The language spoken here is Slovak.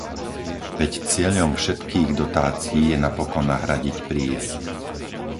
Veď cieľom všetkých dotácií je napokon nahradiť príjem.